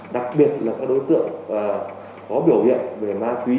đặc biệt là các đối tượng có biểu hiện về ma túy